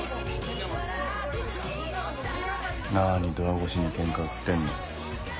何ドア越しにケンカ売ってんの。